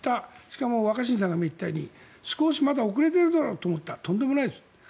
しかも若新さんが言ったように少しまだ遅れているだろうと思ったら、とんでもないです。